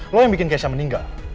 lo yang bikin keisha meninggal